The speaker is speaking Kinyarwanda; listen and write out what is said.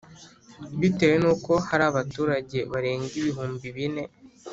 bitewe nuko hari abaturage barenga ibihumbi bine